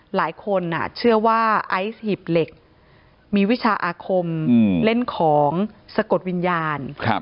หลายคนเชื่อว่าไอซ์หีบเหล็กมีวิชาอาคมเล่นของสะกดวิญญาณ